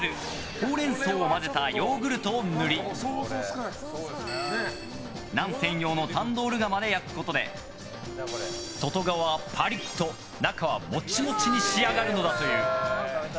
ホウレンソウを混ぜたヨーグルトを塗りナン専用のタンドール窯で焼くことで外側はパリッと、中はモチモチに仕上がるのだという。